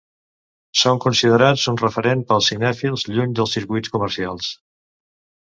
Són considerats un referent pels cinèfils, lluny dels circuits comercials.